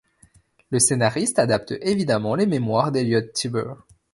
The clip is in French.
Le scénariste adapte évidemment les mémoires d'Elliot Tiber.